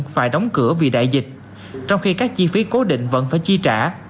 phải đóng cửa vì đại dịch trong khi các chi phí cố định vẫn phải chi trả